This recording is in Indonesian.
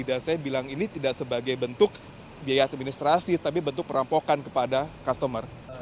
dan saya bilang ini tidak sebagai bentuk biaya administrasi tapi bentuk perampokan kepada customer